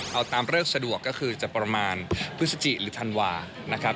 เอาตามเลิกสะดวกก็คือจะประมาณพฤศจิหรือธันวานะครับ